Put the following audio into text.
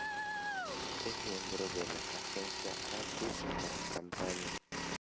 Es miembro de la agencia "Artist Company".